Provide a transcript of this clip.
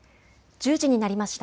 １０時になりました。